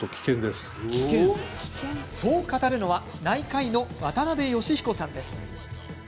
そう語るのは内科医の渡辺尚彦さんです。